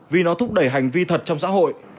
vì nó thúc đẩy hành vi thật trong xã hội